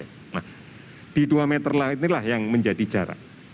nah di dua meter laut inilah yang menjadi jarak